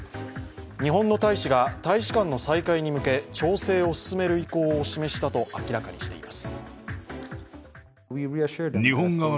日本の大使が大使館の再開に向け、調整を進める意向を示したと明らかにしています。